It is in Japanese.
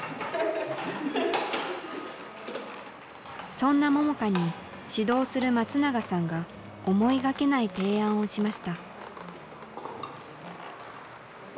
そんな桃佳に指導する松永さんが思いがけない提案をしました。